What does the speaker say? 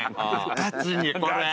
「ガチにこれ。